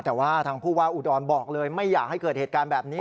แต่ว่าทางผู้ว่าอุดรบอกเลยไม่อยากให้เกิดเหตุการณ์แบบนี้